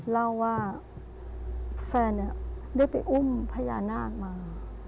เล่าว่าแฟนได้ไปอุ้มพญานาคมา